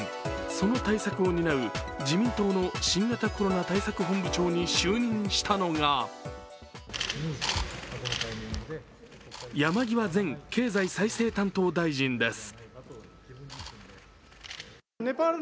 その対策を担う自民党の新型コロナ対策本部長に就任したのが山際前経済再生担当大臣です。